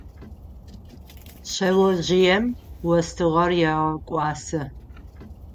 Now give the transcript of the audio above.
Шъэожъыем остыгъэр егъэкӏуасэ.